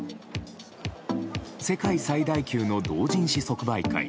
世界最大級の同人誌即売会